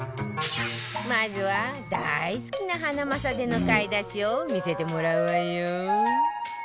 まずは、大好きなハナマサでの買い出しを見せてもらうわよ。